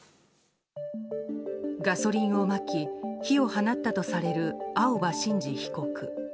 ガソリンをまき火を放ったとされる青葉真司被告。